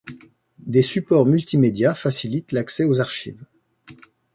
Des supports multimédias facilitent l’accès aux archives.